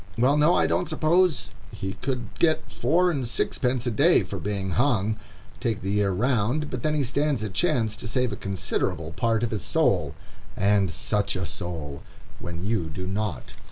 Well, no, I don't suppose he could get four and sixpence a day for being hung, take the year round; but then he stands a chance to save a considerable part of his soul,—and such a soul!—when you do not.